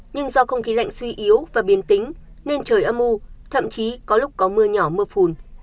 nhưng do không khí lạnh suy yếu và biển tính nên trời âm u thậm chí có lúc có mưa nhỏ mưa phùn